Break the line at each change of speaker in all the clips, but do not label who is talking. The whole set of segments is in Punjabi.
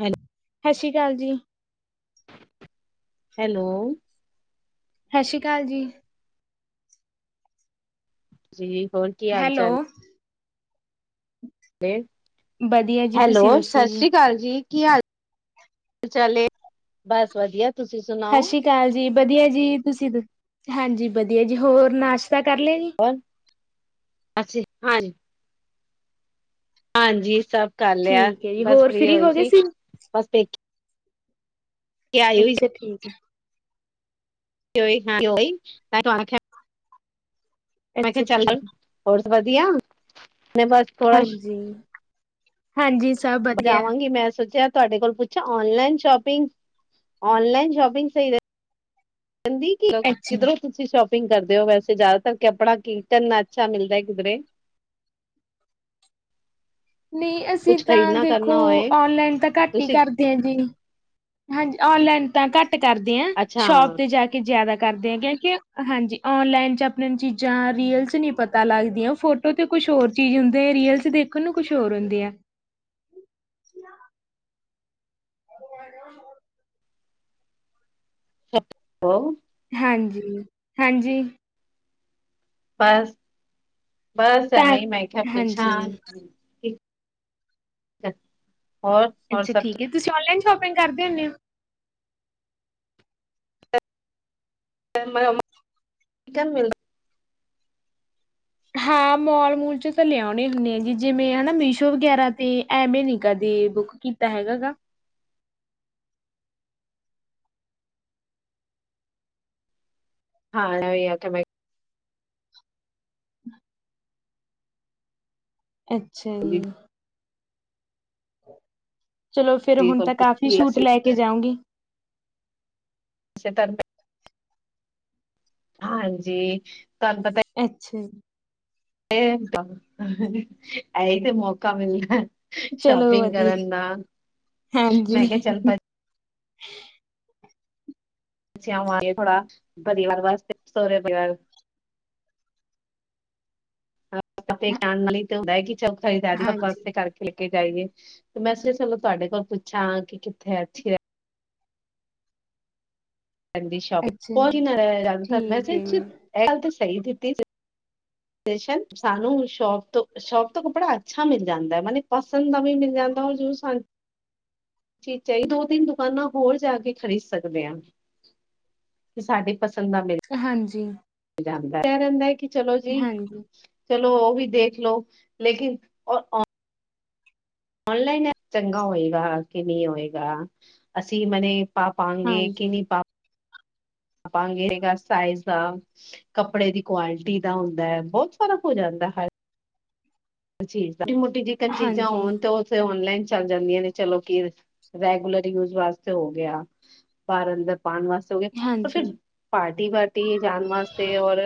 ਹੈਲੋ
ਸਤਿ ਸ਼੍ਰੀ ਅਕਾਲ ਜੀ
ਹੈਲੋ
ਸਤਿ ਸ਼੍ਰੀ ਅਕਾਲ ਜੀ
ਜੀ ਹੋਰ ਕੀ ਹਾਲ
ਹੈਲੋ
ਚਾਲ
ਵਧੀਆ ਜੀ
ਹੈਲੋ
ਤੁਸੀਂ ਦੱਸੋ
ਸਤਿ
ਜੀ?
ਸ੍ਰੀ ਅਕਾਲ ਜੀ ਕੀ ਹਾਲ ਕੀ ਚਾਲ ਬਸ ਵਧੀਆ ਤੁਸੀਂ ਸੁਣਾਓ
ਚਾਲ ਜੀ ਵਧੀਆ ਜੀ ਤੁਸੀਂ ਹਾਂਜੀ ਵਧੀਆ ਜੀ ਹੋਰ ਨਾਸ਼ਤਾ ਕਰ ਲਿਆ ਜੀ
[unintelligible] ਅੱਛਾ ਜੀ ਹਾਂਜੀ ਹਾਂਜੀ ਸਭ ਕਰ ਲਿਆ
ਠੀਕ ਹੈ ਜੀ,
ਬਸ
ਹੋਰ
ਫਰੀ
ਫ੍ਰਰੀ
ਹੋਈ
ਹੋ ਗਏ
ਸੀ ਬਸ ਪੇਕੇ ਆਈ ਹੋਈ ਸੀ।
ਅੱਛਾ ਠੀਕ ਹੈ।
ਈ ਹਾਂ ਮੈਂ ਕਿਹਾ
ਅੱਛਾ ਠੀਕ
ਚੱਲ
ਹੈ,
ਹੋਰ ਵਧੀਆ? ਮੈਂ ਬਸ ਥੋੜਾ
ਹਾਂਜੀ ਹਾਂਜੀ ਸਭ ਵਧੀਆ,
ਪੁਜਾਵਾਂਗੀ ਮੈਂ ਸੋਚਿਆ ਤੁਹਾਡੇ ਕੋਲ ਪੁੱ ਅੱਛਾ ਔਨਲਾਈਨ ਸ਼ੋਪਿੰਗ ਔਨਲਾਈਨ ਸ਼ਪਿੰਗ ਸਹੀ ਰੈਂਦੀ
ਅੱਛਾ।
ਕਿਧਰੋਂ ਤੁਸੀਂ ਸ਼ੋਪਿੰਗ ਕਰਦੇ ਹੋ ਵੈਸੇ ਜ਼ਿਆਦਾਤਰ ਆਪਣਾ ਕੀਰਤਨ ਅੱਛਾ ਮਿਲਦਾ ਕਿਧਰੇ
ਨਹੀਂ ਅਸੀਂ
ਕੁਛ
ਤਾਂ
ਖਰੀਦਣਾ
ਦੇਖੋ
ਕਰਨਾ ਹੋਏ
ਔਨਲਾਈਨ ਤਾਂ ਘੱਟ ਹੀ
ਤੁਸੀਂ
ਕਰਦੇ ਹਾਂ ਜੀ ਹਾਂਜੀ ਔਨਲਾਈਨ ਤਾਂ ਘੱਟ ਕਰਦੇ ਹ
ਅੱਛਾ
ਸ਼ੋਪ ਤੇ ਜਾ ਕੇ ਜਿਆਦਾ ਕਰਦੇ ਆ ਕਿਉਂਕਿ ਹਾਂਜੀ ਓਨਲਾਈਨ ਚ ਆਪਣੇ ਚੀਜ਼ਾਂ ਰੀਲ ਚ ਨੀ ਪਤਾ ਲੱਗਦੀਆਂ ਫੋੋ ਤੇ ਕੁਛ ਹੋਰ ਚੀਜ਼ ਹੁੰਦੀ ਰੀਅਲ ਦੇਖਣ ਨੂੰ ਕੁਛ ਹੋਰ ਹੁੰਦੇ ਆ। ਬ
ਸਭ
ਹਾਂਜੀ ਹਾਂਜੀ
ਬਸ ਬਸ
ਤਾਂ
ਅਵੇਂ ਮੈਂ ਕਿਹਾ ਪੁੱਛਾਂ
ਹਾਂਜੀ
ਠੀ
ਅੱਛਾ ਠੀਕ ਹੈ ਤੁਸੀਂ ਔਲਾਈਨ ਸ਼ੋਪਿੰਗ ਕਰਦੇ ਹੁੰਦੇ ਹੋ।
ਚਿਕਨ ਮਿਲਦਾ
ਹਾਂ ਮੋਲ ਮੂਲ ਚ ਤਾਂ ਲਿਆਉਣੇ ਹੀ ਹੁੰਦੇ ਆ ਜੀ ਜਿਵੇਂ ਹਨਾ ਮੀਸ਼ੋ ਵਗੈਰਾ ਤੇ ਐਵੇਂ ਨੀ ਕਦੇ ਬੁੱਕ ਕੀਤਾ ਹੈਗਾ ਗਾ।
ਹਾਂ ਨਵ ਤਾਂ ਮ
ਅੱਛਾ ਜੀ ਚਲੋ ਫੇਿਰ
ਜੀ
ਹੁਣ
ਕੋਲ
ਤਾਂ ਕਾਫ਼ੀ
ਪੁੱਛੀ
ਛੂਟ
ਅਸੀਂ
ਲੈ ਕੇ ਜਾਉਂਗੀ।
ਤ ਹਾਂਜੀ ਤੁਹਾਨੂੰ ਪਤਾ।
ਅੱਛਾ ਜੀ
ਇਹ ਤੇ ਮੌਕਾ ਮਿਲਦਾ।
ਚਲੋ
ਸ਼ੋਪਿੰਗ
ਵਧੀਆ
ਕਰਨ ਦਾ ਮੈਂ
ਹਾਂਜੀ
ਕਿਹਾ ਚੱਲ ਭੱ ਅਛਿਆ ਹੋਗੇ ਥੋੜਾ ਪਰਿਵਾਰ ਵਾਸਤੇ ਸ ਪਰਿਵਾਰ ਪਾੇ ਕਹਿਣ ਨਾਲ ਹੀ ਤੇ ਹੁੰਦਾ ਕਿ ਚੌਖਾ ਦਦੀ ਆਪਾ
ਹਾਂਜੀ,
ਵਾਸਤੇ ਕਰਕੇ ਖਿਲ ਕੇ ਜਾਈਏ ਤੇ ਮੈਂ ਚਲੋ ਤੁਹਾਡੇ ਕੋਲ ਪੁੱਛਾਂ ਕਿ ਕਿੱਥੇ ਅੱਛੀ
ਅੱਛਾ ਜੀ,
ਸ਼ੋਪਿੰਗ ਮੈੇ
ਠੀਕ ਹੈ ਜੀ,
ਇਹ ਗੱਲ ਤੇ ਸਹੀ ਦਿੱਤੀ ਸੀ। ਸਾਨੂੰ ਸ਼ੋਪ ਤੋਂ ਸ਼ੋਪ ਤੋਂ ਕੱਪੜਾ ਅੱਛਾ ਮਿਲ ਜਾਂਦਾ ਮਨ ਪਸੰਦ ਦਾ ਵੀ ਮਿਲ ਜਾਂਦਾ ਰ ਜ ਸ ਚਾ ਦੋ ਤਿੰਨ ਦੁਕਾਨਾਂ ਹੋਰ ਜਾ ਕੇ ਖ਼ਰੀਦ ਸਕਦੇ ਹ ਸਾਡੇ ਪਸੰਦ ਨਾਲ ਮਿਲ
ਹਾਂਜੀ
ਆ ਰਹਿੰਦਾ ਹੈ ਕਿ ਚਲੋ ਜੀ।
ਹਾਂਜੀ,
ਚਲੋ ਉਹ ਵੀ ਦੇਖ ਲਓ ਲੇਕਿਨ ਔਨਲਾਈਨ ਚੰਗਾ ਹੋਏਗਾ ਕਿ ਨਹੀਂ ਹੋਏਗਾ ਅਸੀਂ ਮਨ ਪਾ ਪਾਾਂਗੇ ਕਿ
ਹਾਂਜੀ,
ਨਹੀਂ ਪਾ ਪਾ ਪਾਾਂਗੇ ਹੈਗਾ ਸਾਈਜ਼ ਦਾ ਕੱਪੜੇ ਦੀ ਕੁਆਲਿਟੀ ਦਾ ਹੁੰਦਾ ਹੈ ਬਹੁਤ ਫ਼ਰਕ ਹੋ ਜਾਂਦਾ ਹੈ। ਅ ਟੀ ਮੋਟੀ ਜਿਕਨ ਚੀਜ਼ਾਂ
ਹਾਂਜੀ,
ਹੋਣ ਤੇ ਉਹ ਔਨਲਾਈਨ ਚੱਲ ਜਾਂਦੀਆਂ ਨੇ ਚਲੋ ਕਿ ਰੈਗੂਲਰ ਯੂਜ ਵਾਸਤੇ ਹੋ ਗਿਆ। ਬਾਰ ਅੰਦਰ ਪਾਉਣ ਵਾਸਤੇ ਹੋ ਗਏ ਪਰ
ਹਾਂਜੀ,
ਫਿਰ ਪਾਰਟੀ ਵਾਰਟੀ ਜਾਣ ਵਾਸਤੇ ਔਰ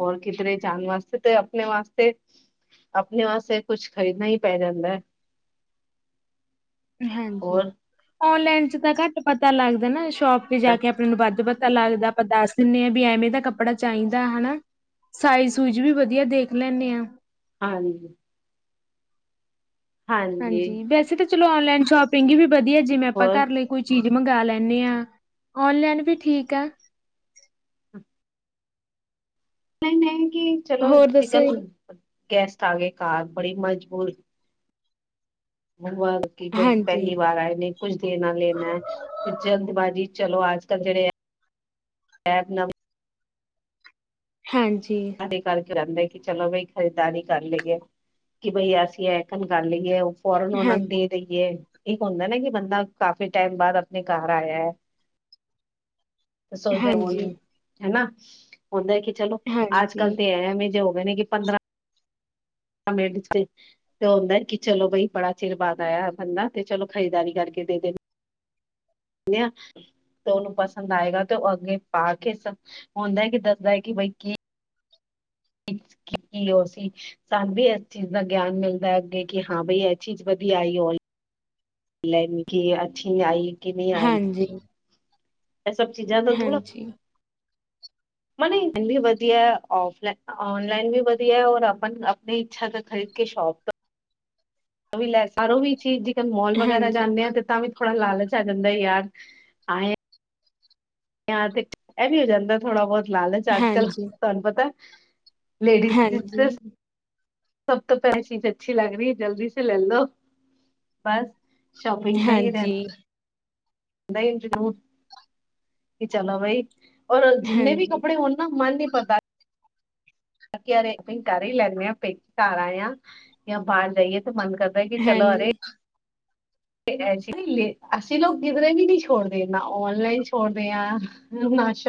ਹੋਰ ਕਿਧਰੇ ਜਾਣ ਵਾਸਤੇ ਤੇ ਆਪਣੇ ਵਾਸਤੇ ਆਪਣੇ ਵਾਸਤੇ ਕੁਛ ਖਰੀਦਣਾ ਹੀ ਪੈ ਜਾਂਦਾ ਹੈ।
ਹਾਂਜੀ
ਹੋਰ
ਔਨਲਾਈਨ ਚ ਤਾਂ ਘੱਟ ਪਤਾ ਲੱਗਦਾ ਨਾ ਸ਼ੋਪ ਤੇ ਜਾ ਕੇ ਆਪਣੇ ਨੂੰ ਵੱਧ ਪੱਤਾ ਲੱਗਦਾ ਆਪਾਂ ਦੱਸ ਦਿੰਦੇ ਹਾਂ ਵੀ ਐਵੇਂ ਦਾ ਕੱਪੜਾ ਚਾਹੀਦਾ ਹਨਾ ਸਾਈਜ਼ ਸੁਜ ਵੀ ਵਧੀਆ ਦੇਖ ਲੈਂਦੇ ਹਾਂ।
ਹਾਂਜੀ ਜ
ਹਾਂਜੀ ਵੈਸੇ ਤਾਂ ਚਲੋ ਔਨਲਾਈਨ ਸ਼ੋਪਿੰਗ ਹੀ ਵੀ ਵਧੀਆ ਜਿਵੇਂ ਆਪਾਂ
ਹੋਰ
ਕਰ ਲਈ। ਕੋਈ ਚੀਜ਼ ਮੰਗਾ ਲੈਂਣੇ ਆ ਔਨਲਾਈਨ ਵੀ ਠੀਕ ਆ।
ਨਹੀਂ-ਨਹੀਂ ਕਿ ਚਲੋ
ਹੋਰ ਦੱਸੋ
ਜਿਦਨ
ਜੀ?
ਗੈਸਟ ਆ ਗਏ ਘਰ ਬੜੀ ਮਜਬੂਰ ਕਿ ਬ
ਹਾਂਜੀ,
ਪਹਿਲੀ ਵਾਰ ਆਏ ਨੇ। ਕੁੱਛ ਦੇਣਾ ਲੈਣਾ ਤੇ ਜਲਦਬਾਜ਼ੀ ਚਲੋ ਅੱਜ-ਕੱਲ੍ਹ ਜਿਹੜੇ ਐ
ਹਾਂਜੀ।
ਕਰਕੇ ਰਹਿੰਦੇ ਕਿ ਚੱਲੋ ਬਈ ਖਰੀਦਦਾਰੀ ਕਰ ਲਈਏ ਕਿ ਬਈ ਅਸੀਂ ਐਕਣ ਕਰ ਲਈਏ। ਫੋਰਨ ਉਹਨਾ
ਹਾਂ,
ਨੂੰ ਦੇ ਦੇਈਏ ਇੱਕ ਹੁੰਦਾ ਨਾ ਕਿ ਬੰਦਾ ਕਾਫੀ ਟਾਈਮ ਬਾਅਦ ਆਪਣੇ ਘਰ ਆਇਆ। ਤੇ ਸੋਚਦੇ
ਹਾਂਜੀ।
ਹੋਣਗੇ ਹਨਾ ਹੁੰਦਾ ਕਿ ਚਲੋ ਅੱਜ-ਕੱਲ੍ਹ
ਹਾਂਜੀ।
ਤੇ ਐਵੇਂ ਜੋੇ ਮਹੀਨੇ ਕਿ ਪੰਦਰਾਂਹ ਹਮੇਡੀ [unintelligible] ਤੇ ਹੁੰਦਾ ਕੀ, ਚਲੋ ਬਈ ਬੜਾ ਚਿਰ ਬਾਦ ਆਇਆ ਬੰਦਾ, ਤੇ ਚਲੋ ਖਰੀਦਦਾਰੀ ਕਰਕੇ ਦੇ ਦੇਣੇ। [inaudible] ਤੇ ਉਹਨੂੰ ਪਸੰਦ ਆਏਗਾ। ਤੇ ਉਹ ਅੱਗੇ ਪਾ ਕੇ ਸ ਹੁੰਦਾ ਹੈ ਕਿ ਦੱਸਦਾ ਹੈ ਕਿ ਬਈ ਕੀ ਕੀ-ਕੀ ਉਹ ਸੀ। ਸਾਨੂੰ ਵੀ ਇਸ ਚੀਜ਼ ਦਾ ਗਿਆਨ ਮਿਲਦਾ ਏ। ਅੱਗੇ, ਕਿ ਹਾਂ ਬਈ ਇਹ ਚੀਜ਼ ਵਧੀਆ ਆਈ ਰੋਈ ਜਿਵੇਂ ਕਿ ਅੱਛੀ ਆਈ, ਕਿਵੇਂ ਆਈ।
ਹਾਂਜੀ,
ਇਹ ਸਭ ਚੀਜ਼ਾਂ ਦਾ ਥੋੜਾ
ਹਾਂਜੀ,
ਇਨੀ ਵਧੀਆ ਓਫਲੈਨ ਔਨਲਾਈਨ ਵੀ ਵਧੀਆ ਔਰ ਆਪਣ ਨਹੀਂ ਇੱਛਾ ਤਾਂ, ਖ਼ਰੀਦ ਕੇ ਸ਼ੋਪ ਤੋਂ ਵੀ ਲੈ ਸਾਰੋ ਵੀ ਚੀਜ਼ ਜੇਕਰ ਮੋਲ ਵਗੈਰਾ
ਹਾਂਜੀ,
ਜਾਂਣੇ ਤੇ ਤਾਂ ਵੀ ਥੌੜਾ ਲਾਲਚ ਆ ਜਾਂਦਾ ਯਾਰ ਆਂਏ ਤੇ ਇਹ ਵੀ ਹੋ ਜਾਂਦਾ ਥੋੜਾ ਬੋਤ ਲਾਲਚ ਅੱਜ-ਕਲ੍ਹ
ਹਾਂਜੀ,
ਤੁਹਾਨੂੰ ਪਤਾ ਲੇਡੀਜ਼
ਹਾਂਜੀ,
[unintelligible] ਸਭ ਤੋਂ ਪਹਿਲੀ ਚੀਜ਼ ਅੱਛੀ ਲੱਗ ਰਹੀ ਜਲਦੀ ਸੇ ਲੈ ਲੋ ਬਸ ਸ਼ੋਪਿੰਗ ਦਾ ਹੀ ਰਹਿੰ
ਹਾਂਜੀ,
ਦਾ ਹੀ ਨੂੰ ਜ਼ਰੂਰ ਚਲੋ ਬਈ ਔਰ ਜਿੰਨੇ ਵੀ
ਹਾਂਜੀ,
ਕੱਪੜੇ ਹੋਣ ਨਾ ਮਨ ਨੀ ਪਰਦਾ। ਯ ਆਪ ਕਰ ਹੀ ਲੈਂਣੇ ਹਾਂ ਪੇਕੇ ਘਾਰ ਆਏ ਆ ਜਾਂ ਬਾਹਰ ਜਾਈਏ ਤੇ ਮਨ ਕਰਦਾ ਕਿ ਚਲੋ
ਹੈਨੀ
ਅਰੇ ਅਸੀਂ ਲੋਕ ਕਿਧਰੇ ਵੀ ਨਹੀਂ ਛੋੜਦੇ ਨਾ ਔਨਲਾਈਨ ਛੋੜ ਰਹੇ ਆ ਹੁਣ‌ ਨਾ ਸ਼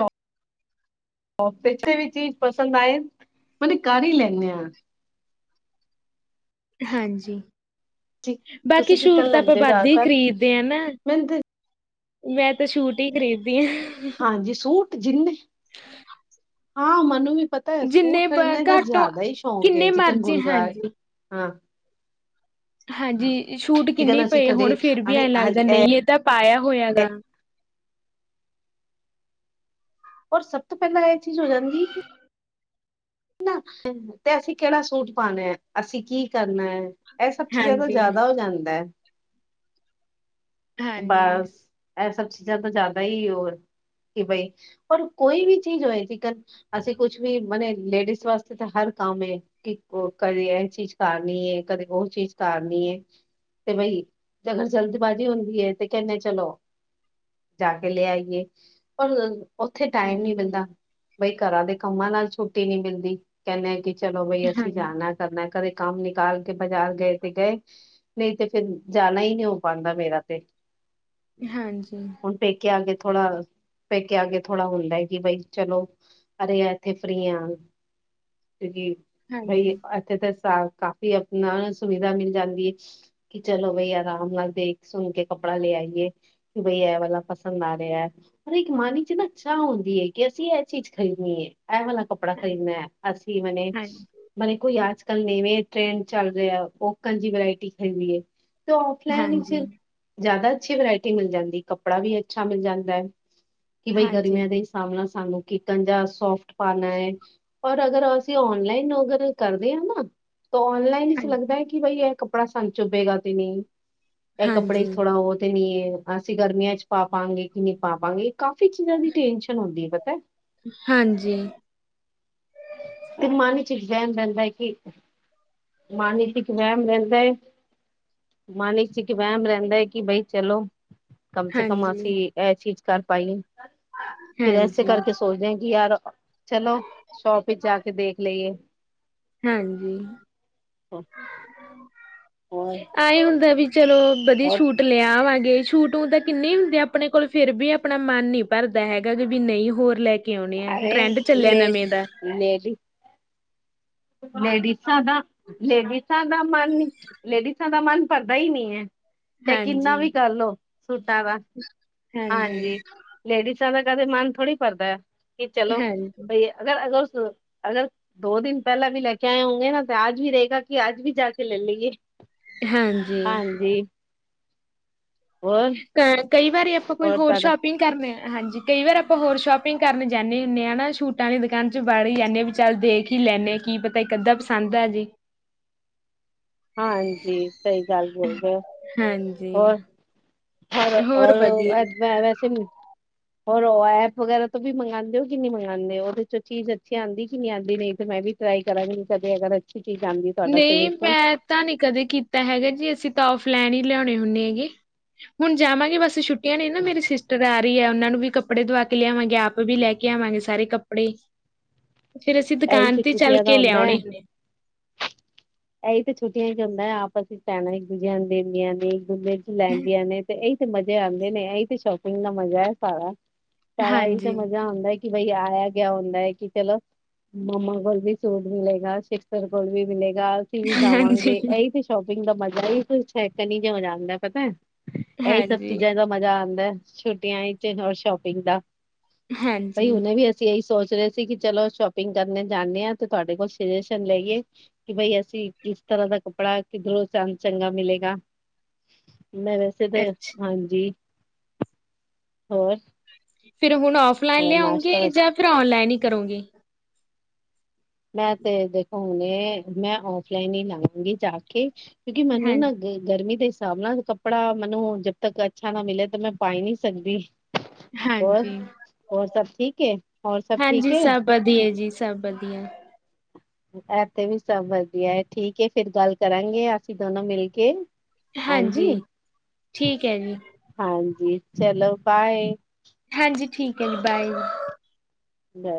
ਕਿੱਥੇ ਵੀ ਚੀਜ਼ ਪਸੰਦ ਆਏ ਮਤ ਕਰ ਹੀ ਲੈਂਣੇ ਹਾਂ।
ਹਾਂਜੀ, ਬਾਕੀ
ਤੁਸੀਂ ਕੀ ਕਰ
ਸੂਟ ਤਾਂ ਆਪਾਂ
ਲੈਂਦੇ ਹੋ
ਵੱਧ ਹੀ
ਜ਼ਿਆਦਾਤਰ
ਖ਼ਰੀਦਦੇ ਆ ਨਾ।
ਮੈਨੂੰ ਤੇ
ਮੈਂ ਤੇ ਸ਼ੂਟ ਹੀ ਖਰੀਦਦੀ ਹਾ ਹ
ਹਾਂਜੀ, ਸੂਟ ਜਿੰਨੇੇ। ਹਾਂਅਂ ਮੈਨੂੰ ਵੀ ਪਤਾ ਪਤਾ ਏ, ਸੂਟ
ਜਿੰਨੇ ਬ-
ਖਰੀਦਣ ਦਾ
ਘੱਟੋ
ਜਿਆਦਾ ਹੈ ਸ਼ੌਂਕ ਏ।
ਕਿੰਨੇ
ਚਿਕਨ
ਮਰਜ਼ੀ
ਗੁਰਦੁਆਰੇ
ਹਾਂਜੀ।
ਹਾਂਅ।
ਹਾਂਜੀ ਛੂਟ ਕਿੰਨੇ ਹੀ
ਜਿਕਨ ਅਸੀਂ
ਪਏ
ਕਦੇ
ਹੁਣ ਫਿਰ, ਵੀ
ਅਰੇ
ਐਂ
ਅੱਜ
ਲੱਗਦਾ ਨਹੀਂ ਇਹ ਤਾਂ ਪਾਇਆ ਹੋਇਆ ਗਾ।
ਔਰ, ਸਭ ਤੋਂ ਪਹਿਲਾਂ ਇਹ ਚੀਜ਼ ਹੋ ਜਾਂਦੀ ਏ ਕਿ ਤੇ, ਅਸੀਂ ਕਿਹੜਾ ਸੂਟ ਪਾਣਾ? ਅਸੀਂ ਕੀ ਕਰਨਾ? ਇਹ ਸਭ ਚੀਜਾ ਸਗੋਂ
ਹਾਂਜੀ,
ਜ਼ਿਆਦਾ ਹੋ ਜਾਂਦਾ।
ਹਾਂਜੀ,
ਬਸ, ਇਹ ਸਭ ਚੀਜ਼ਾਂ ਤਾਂ ਜ਼ਿਆਦਾ ਹੀ ਹੋਰ, ਕਿ ਬਈ ਪਰ, ਕੋਈ ਵੀ ਚੀਜ਼ ਹੋਏ ਚੀਕਨ। ਅਸੀਂ ਕੁਛ ਵੀ ਮਨੈ ਲੇਡੀਜ਼ ਵਾਸਤੇ ਤਾਂ ਹਰ ਕੰਮ ਏ ਕਿ ਹੋਰ ਕਦੀ, ਇਹ ਚੀਜ਼ ਕਾਰਨੀ ਏ, ਕਦੇ ਉਹ ਚੀਜ਼ ਕਾਰਨੀ ਏ। ਤੇ ਬਈ ਅਗਰ ਜਲਦਬਾਜ਼ੀ ਹੁੰਦੀ ਏ ਤੇ ਕਹਿੰਦੇ ਚਲੋ ਜਾ ਕੇ ਲੈ ਆਈਏ ਪੰਗ ਉੱਥੇ ਟਾਈਮ ਨੀ
ਹਾਂਜੀ,
ਮਿਲਦਾ। ਬਈ ਘਰਾਂ ਦੇ ਕੰਮਾਂ ਨਾਲ ਛੁੱਟੀ ਨੀ ਮਿਲਦੀ। ਕਹਿੰਦੇ ਆ ਕਿ, ਚਲੋ ਬਈ ਅਸੀਂ
ਹਾਂਜੀ, ਹਾਂਜੀ,
ਜਾਣਾ ਕਰਨਾਏ ਕਦੇ ਕੰਮ ਨਿਕਾਲ ਕੇ ਬਾਜ਼ਾਰ ਗਏ ਤੇ ਗਏ। ਨਹੀਂ ਤੇ ਫੇਰ, ਜਾਣਾ ਹੀ ਨਹੀਂ ਹੋ ਪਾਂਦਾ ਮੇਰਾ ਤੇ।
ਹਾਂਜੀ।
ਪੇਕੇ ਆਗੇ ਥੋੜਾ ਪੇਕੇ ਆਕੇ ਥੋੜਾ ਹੁੰਦਾ ਕਿ ਬਈ ਚਲੋ ਅਰੇ ਇੱਥੇ ਫਰੀ ਆ ਕਿਉਂਕਿ ਬਈ
ਹਾਂਜੀ,
ਇਥੇ ਤੇ ਸਾ ਕਾਫੀ ਆਪਣਾ ਸੁਵਿਧਾ ਮਿਲ ਜਾਂਦੀ ਏ ਚਲੋ ਬਾਈ ਆਰਾਮ ਨਾਲ ਦੇਖ ਸੁੰਘ ਕੇ ਕੱਪੜਾ ਲੈ ਆਈਏ। ਬਈ ਐ ਵਾਲਾ ਪਸੰਦ ਆ ਰਿਹਾ। ਪਰ ਇੱਕ ਮਾਨ ਵਿੱਚ ਨਾ ਚਾਹ ਹੁੰਦੀ ਐ ਕਿ ਅਸੀਂ ਇਹ ਚੀਜ਼ ਖਰੀਦਣੀ ਐ। ਇਹ ਵਾਲਾ ਕੱਪੜਾ [unintelligible] ਅਸੀਂ [unintelligible]
ਹਾਂਜੀ,
ਨਾਲੇ ਕੋਈ ਅੱਜ ਕੱਲ੍ਹ ਨਵੇਂ ਟ੍ਰੈਂਡ ਚੱਲ ਰਿਹਾ ਓਕਨ ਜਿਵੇਂ ਵਰਾਇਟੀ ਖਾਦੀ ਐ। ਔਫਲਾਈਨ ਹੀ ਸੀ ਜ਼ਿਆਦਾ ਅੱਛੀ ਵਰਾਇਟੀ ਮਿਲ ਜਾਂਦੀ ਏ। ਕੱਪੜਾ ਵੀ ਅੱਛਾ ਮਿਲ ਜਾਂਦਾ ਕਿ ਬਈ
ਹਾਂਜੀ,
ਗਰਮੀਆਂ ਦੇ ਸਾਹਮਣਾ ਸਾਨੂੰ ਕਿਕਨ ਜਾ ਸੋਫਟ ਪਾਣਾ ਐ। ਔਰ ਅਗਰ ਅਸੀਂ ਔਨਲਾਈਨ ਅਗਰ ਕਰਦੇ ਆ ਨਾ ਤਾਂ ਔਨਲਾਈਨ ਵਿਚ
ਹਾਂਜੀ।
ਲੱਗਦਾ ਐ ਕਿ ਬਈ ਕੱਪੜਾ ਸਾਨੂੰ ਚੁਭੇਗਾ ਤੇ ਨਹੀਂ ਇਹ ਕੱਪੜੇ
ਹਾਂਜੀ,
ਥੋੜਾ ਉਹ ਤੇ ਨੀ ਅਸੀਂ ਗਰਮੀਆਂ ਚ ਪਾਵਾਂਗੇ ਕਿ ਨਹੀਂ ਪਾਵਾਂਗੇ ਇਹ ਕਾਫ਼ੀ ਚੀਜ਼ਾਂ ਦੀ ਟੈਨਸ਼ਨ ਹੁੰਦੀ ਐ ਪਤਾ।
ਹਾਂਜੀ,
ਤੇ ਮਨ ਵਿੱਚ ਇੱਕ ਵਹਿਮ ਰਹਿੰਦਾ ਕਿ ਮਨ ਵਿੱਚ ਇੱਕ ਵਹਿਮ ਰਹਿੰਦਾ। ਮਾਨ ਵਿੱਚ ਇੱਕ ਵਹਿਮ ਰਹਿੰਦਾ ਕਿ ਬਈ ਚਲੋ ਕਮ ਸੇ ਕਮ
ਹਾਂਜੀ,
ਅਸੀਂ ਇਹ ਚੀਜ਼ ਕਰ ਪਾਈਏ ਫਿਰ ਐਸੇ
ਹਾਂਜੀ।
ਕਰਕੇ ਸੋਚਦੇ ਆ ਕਿ ਯਾਰ ਚਲੋ ਸ਼ੋਪ ਵਿੱਚ ਜਾ ਕੇ ਦੇਖ ਲਈਏ।
ਹਾਂਜੀ,
ਹੋਰ
ਐ ਹੁੰਦਾ ਏ ਵੀ ਚਲੋ ਵਧੀਆ
ਹੋਰ
ਸੂਟ ਦੀ ਲਿਆਵਾਂਗੇ ਛੂਟ ਊ ਤਾਂ ਕਿੰਨੇ ਹੁੰਦੇ, ਆਪਣੇ ਕੋਲ ਫੇਰ ਬੀ ਆਪਣਾ ਮਨ ਨੀ ਭਰਦਾ ਹੈਗਾ ਵੀ ਨਹੀਂ ਹੋਰ ਲੈ ਕੇ ਲੈ ਕੇ ਆਉਣੇ ਆ
ਅਰੇ
ਟਰੈਂਡ ਚੱਲਿਆ
ਲੇ
ਨਵੇਂ ਦਾ।
[unintelligible] ਲੇਡੀਸਾਂ ਦਾ ਲੇਡੀਸਾ ਦਾ ਮਨ ਲੇਡੀਸਾਂ ਦਾ ਮਨ ਪਰਦਾ ਹੀ ਨੀ ਐ। ਤੇ ਕਿੰਨਾ
ਹਾਂਜੀ,
ਵੀ ਕਰਲੋ ਸੂਟਾਂ ਦਾ ਹਾਂਜੀ। ਲੇਡੀਸਾ ਦਾ ਕਦੇ ਮਨ ਥੋੜ੍ਹੀ ਭਰਦਾ ਆ ਕਿ ਚਲੋ
ਹਾਂਜੀ,
ਬਈ ਅਗਰ ਸੋ ਅਗਰ ਉਸ ਅਗਰ ਦੋ ਦਿਨ। ਪਹਿਲਾਂ ਵੀ ਲੈ ਕੇ ਆਏ ਹੋੋਂਗੇ ਨਾ ਤੇ ਅੱਜ ਵੀ ਰਹੇਗਾ ਕਿ ਅੱਜ ਵੀ ਜਾ ਕੇ ਲੈ ਲਈਏ।
ਹਾਂਜੀ।
ਹਾਂਜੀ ਹੋਰ
ਅ ਕਈ ਵਾਰੀ ਆਪਾਂ ਕੋਈ ਹੋਰ ਛਾਪ ਸ਼ਪਿੰਗ ਕਰਨ ਹਾਂਜੀ ਕਈ ਵਾਰ ਆਪਾਂ ਹੋਰ ਸ਼ੋਪਿੰਗ ਕਰਨ ਜਾਣੇ ਹੁੰਦੇ ਹਾਂ ਨਾ ਛੂਟਾਂ ਦੀ ਦੁਕਾਨ ਚ ਬੜ ਹੀ ਜਾਣੇ ਆ ਵੀ। ਚੱਲ ਦੇਖ ਹੀ ਲੈਂਨੇ ਆ ਕੀ ਪਤਾ ਇੱਕ ਅੱਧਾ ਪਸੰਦ ਆਜੇ।
ਹਾਂਜੀ ਸਹੀ ਗੱਲ ਬੋਲ ਰਹੇ ਹੋ।
ਹਾਂਜੀ,
ਹੋਰ
ਹੋਰ
ਔਰ ਏ
ਵਧੀਆ
ਤਾਂ ਵੈਸੇ ਵੀ। ਹੋਰ ਓ ਐਪ ਵਗੈਰਾ ਤੋਂ ਵੀ ਮੰਗਾਂਦੇ ਹੋ ਕਿ ਨਹੀਂ ਮੰਗਾਂਦੇ ਉਹਦੇ ਚੋਂ ਚੀਜ਼ ਅੱਛੀ ਆਂਦੀ ਕਿ ਨਹੀਂ ਆਂਦੀ ਤੇ ਮੈਂ ਵੀ ਟਰਾਈ ਕਰਾਂਗੀ ਅੱਛੀ ਚੀਜ਼ ਆਂਦੀ [unintelligible]
ਕੀਤਾ ਨੀ ਕਦੇ ਕੀਤਾ ਹੈਗਾ ਜੀ ਅਸੀਂ ਤਾਂ ਆਫਲਾਈਨ ਹੀ ਲਿਆਉਣੇ ਹੁੰਦੇ ਹੈਗੇ ਹੁਣ ਜਾਵਾਂਗੇ ਬਸ ਛੁੱਟੀ ਆਂ ਨੇ ਨਾ ਮੇਰੀ ਸਿਸਟਰ ਆ ਰਹੀ ਆ ਉਹਨਾਂ ਨੂੰ ਵੀ ਕੱਪੜੇ ਦੁਵਾ ਕੇ ਲਿਆਵਾਂਗੇ ਆਪ ਵੀ ਲੈ ਕੇ ਆਵਾਂਗੇ ਸਾਰੇ ਕੱਪੜੇ ਫੇਰ ਅਸੀਂ
ਇਹੀ
ਦੁਕਾਨ ਤੇ ਚੱਲ
ਛੁੱਟੀਆਂ ਦਾ
ਕੇ
ਹੁੰਦਾ ਹੈ
ਲਿਆਉਣੇ ਹੁੰਦੇ।
ਇਹੀ ਤਾਂ ਛੁੱਟੀਆਂ ਵਿੱਚ ਹੁੰਦਾ ਆਪਸ ਵਿੱਚ ਪੈਣਾ ਹੀ [unintelligible] ਲੈਂਦੀਆਂ ਨੇ ਤੇ ਇਹੀ ਤੇ ਮਜ਼ੇ ਆਂਦੇ ਨੇ ਇਹੀ ਤੇ ਸ਼ੋਪਿੰਗ ਦਾ ਮਜ਼ਾ ਐ ਸਾਰਾ। ਸਾਰਾ ਇਹੀ ਤਾਂ
ਹਾਂਜੀ
ਮਜ਼ਾ ਹੁੰਦਾ ਕਿ ਬਈ ਆਇਆ ਗਿਆ ਹੁੰਦਾ ਕਿ ਚਲੋ ਮੰਮਾ ਕੋਲ ਵੀ ਸੂਟ ਮਿਲੇਗਾ ਸ਼ਿਸਟਰ ਕੋਲ ਵੀ ਮਿਲੇਗਾ ਅਸੀਂ ਵੀ
ਹਾਂਜੀ
ਜਾਵਾਂਗੇ ਇਹੀ ਸ਼ੋਪਿੰਗ ਦਾ ਮਜ਼ਾ ਹੀ ਕੁੱਛ ਏਕਣ ਜੇ ਹੋ ਜਾਂਦਾ ਪਤਾ ਇਹੀ ਸਭ
ਹਾਂਜੀ
ਚੀਜ਼ਾਂ ਦਾ ਮਜ਼ਾ ਆਂਦਾ ਛੁੱਟੀਆਂ ਵਿੱਚ ਹੋਰ ਸ਼ੋਪਿੰਗ ਦਾ ਬਈ
ਹਾਂਜੀ
ਹਨੇ ਵੀ। ਅਸੀਂ ਇਹੀ ਸੋਚ ਰਹੇ ਸੀ ਕਿ ਚਲੋ ਸ਼ੋਪਿੰਗ ਕਰਨੇ ਜਾਂਦੇ ਹਾਂ ਤੇ ਤੁਹਾਡੇ ਕੋਲ ਸੁਜੈਸ਼ਨ ਲਈਏ ਕਿ ਬਈ ਅਸੀਂ ਕਿਸ ਤਰ੍ਹਾਂ ਦਾ ਕੱਪੜਾ ਕਿੱਧਰੋਂ ਸਾਨੂੰ ਚੰਗਾ ਮਿਲੇਗਾ। ਮੈਂ ਵੈਸੇ ਤਾਂ
ਅੱਛਾ
ਹਾਂਜੀ ਹੋਰ
ਫਿਰ ਹੁਣ ਔਫਲਾਈਨ
ਹੋਰ
ਲਿਆਉਂਗੇ,
ਨਾਸ਼ਤਾ ਵਸ
ਜਾਂ ਫਿਰ ਔਨਲਾਈਨ ਹੀ ਕਰੋਂਗੇ?
ਮੈਂ, ਤੇ ਦੇਖੋ ਹੁਣੇ, ਮੈਂ ਔਫਲਾਈਨ ਹੀ ਲਵਾਂਗੀ ਜਾਕੇ, ਕਿਉਂਕਿ ਮੈਨੂੰ
ਹਾਂਜੀ
ਨਾ ਗਰਮੀ ਦੇ ਹਿਸਾਬ ਨਾਲ ਕੱਪੜਾ ਮੈਨੂੰ ਜਬ ਤੱਕ ਅੱਛਾ ਨਾ ਮਿਲਿਆ, ਤਾਂ ਮੈਂ ਪਾਈ ਨੀ ਸਕਦੀ। ਹੋਰ,
ਹਾਂਜੀ
ਹੋਰ ਸਭ ਠੀਕ ਏ? ਹੋਰ ਸਭ ਠੀਕ
ਹਾਂਜੀ
ਏ?
ਸਭ ਵਧੀਆ ਜੀ, ਸਭ ਵਧੀਆ।
ਐਥੇ ਵੀ ਸਭ ਵਧੀਆ ਏ, ਠੀਕ ਏ, ਫੇਰ ਗੱਲ ਕਰਾਂਗੇ ਅਸੀ ਦੋਨੋ ਮਿਲਕੇ। ਹਾਂਜੀ!
ਠੀਕ ਹੈ ਜੀ
ਹਾਂਜੀ, ਚਲੋ ਬਾਏ।
ਹਾਂਜੀ ਠੀਕ ਹੈ ਜੀ, ਬਾਏ।
ਹ